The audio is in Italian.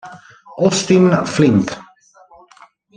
Austin Flint